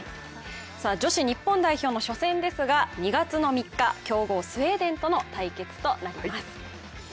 女子日本代表の初戦ですが２月の３日、強豪のスウェーデンとの対決です。